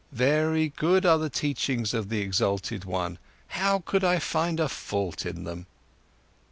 Very good are the teachings of the exalted one, how could I find a fault in them?"